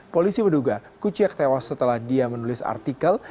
polisi menduga kuciak tewas setelah dia menulis artikel